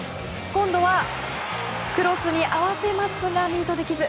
今度はクロスに合わせますがミートできず。